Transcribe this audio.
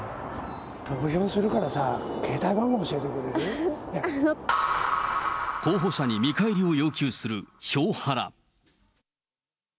投票するからさ、候補者に見返りを要求する票ハラ。